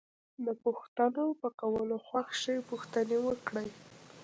د پوښتنو په کولو خوښ شئ پوښتنې وکړئ.